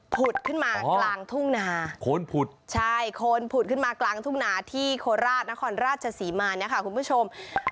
ผุดขึ้นมากลางทุ่งนาโคนผุดใช่โคนผุดขึ้นมากลางทุ่งนาที่โคราชนครราชศรีมาเนี่ยค่ะคุณผู้ชม